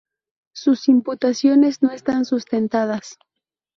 Sus imputaciones no están sustentadas.